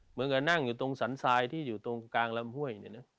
เหมือนกับนั่งอยู่ตรงสันทรายที่อยู่ตรงกลางลำห้วย